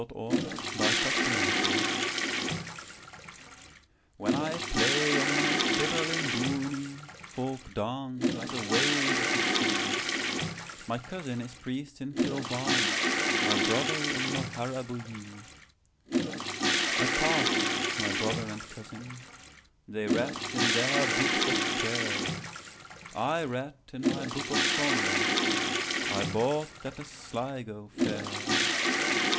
The Fiddler of Dooney WHEN I play on my fiddle in Dooney, Folk dance like a wave of the sea; My cousin is priest in Kilvarnet, My brother in Moharabuiee.I passed my brother and cousin:They read in their books of prayer;I read in my book of songsI bought at the Sligo fair.